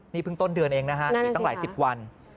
นี่เพิ่งต้นเดือนเองนะฮะมีตั้งหลายสิบวัน